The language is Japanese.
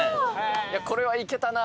これはいけたな